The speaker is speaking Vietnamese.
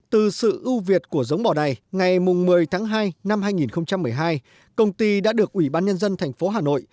từ sự ưu việt của giống bò này ngày một mươi tháng hai năm hai nghìn một mươi hai công ty đã được ủy ban nhân dân thành phố hà nội